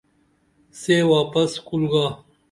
سے واپس کُل گا